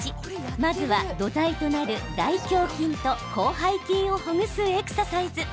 まずは土台となる大胸筋と広背筋をほぐすエクササイズ。